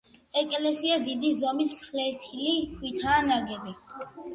ეკლესია დიდი ზომის ფლეთილი ქვითაა ნაგები.